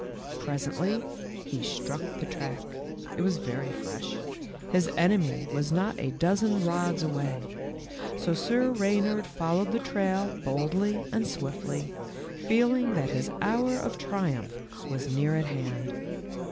Pres ently he struck the track. It was very fresh, — his enemy was not a dozen rods away ; so Sir Reynard followed the trail boldly and swiftly, feeling that his hour of triumph was near at hand.